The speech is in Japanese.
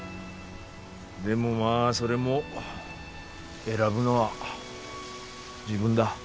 でもまあそれも選ぶのは自分だ。